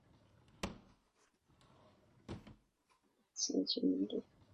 十月农村居民点是俄罗斯联邦沃罗涅日州博布罗夫区所属的一个农村居民点。